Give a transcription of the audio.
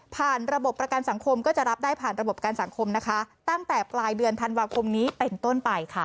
ระบบประกันสังคมก็จะรับได้ผ่านระบบการสังคมนะคะตั้งแต่ปลายเดือนธันวาคมนี้เป็นต้นไปค่ะ